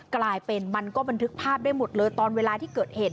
กลายเป็นมันก็บันทึกภาพได้หมดเลยตอนเวลาที่เกิดเหตุ